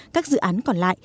các dự án còn lại